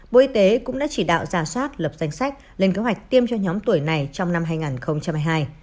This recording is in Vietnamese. bộ y tế cũng đã chỉ đạo giả soát lập danh sách lên kế hoạch tiêm cho nhóm tuổi này trong năm hai nghìn hai mươi hai